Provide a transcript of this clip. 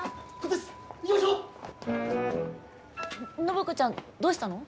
暢子ちゃんどうしたの？